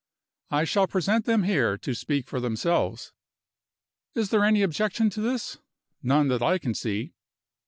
I shall present them here, to speak for themselves. Is there any objection to this? None that I can see.